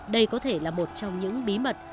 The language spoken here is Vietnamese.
đây có thể là một trong những bí mật